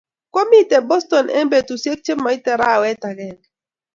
Kwomite Boston eng betusiek chemoite arawet agenge